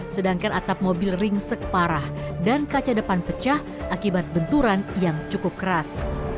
sedangkan atap mobil ringsek parah dan kaca depan pecah akibat benturan yang cukup keras